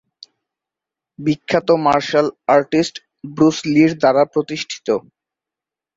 বিখ্যাত martial artist Bruce লির দ্বারা প্রতিষ্ঠিত।